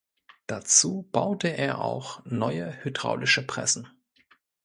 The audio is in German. Dazu baute er auch neue hydraulische Pressen.